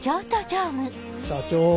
社長。